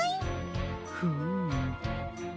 フーム。